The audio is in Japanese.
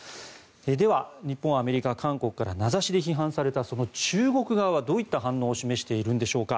では、日本、アメリカ、韓国から名指しで批判されたその中国側はどういった反応を示しているんでしょうか。